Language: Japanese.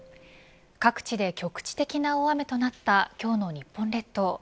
各地で局地的な大雨となった今日の日本列島。